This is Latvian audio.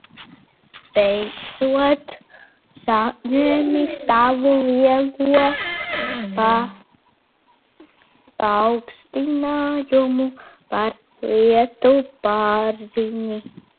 Beidzot saņēmi savu lielo paaugstinājumu par lietu pārzini?